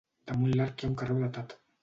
Damunt l'arc hi ha un carreu datat.